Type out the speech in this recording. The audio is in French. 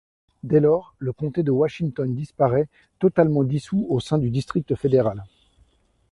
Dès lors le comté de Washington disparait, totalement dissout au sein du district fédéral.